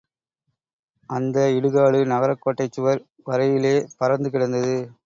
அந்த இடுகாடு நகரக் கோட்டைச் சுவர் வரையிலே பரந்து கிடந்தது.